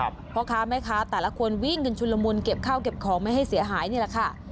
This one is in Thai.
เพราะคะไหมคะแต่ละคนวี้เงินชุนรมูลเก็บข้าวเก็บของไม่ให้เสียหายนี่แหละค่ะ